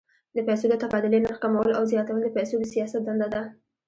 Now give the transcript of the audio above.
د پیسو د تبادلې نرخ کمول او زیاتول د پیسو د سیاست دنده ده.